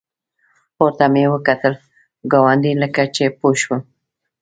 پورته مې وکتل، ګاونډي لکه چې پوه شو.